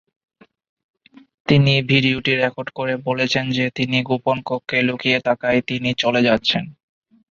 তিনি ভিডিওটি রেকর্ড করে বলেছেন যে তিনি গোপন কক্ষে লুকিয়ে থাকায় তিনি চলে যাচ্ছেন।